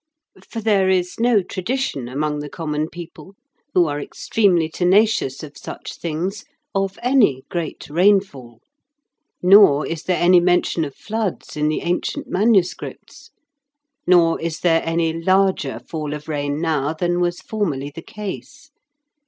For there is no tradition among the common people, who are extremely tenacious of such things, of any great rainfall, nor is there any mention of floods in the ancient manuscripts, nor is there any larger fall of rain now than was formerly the case.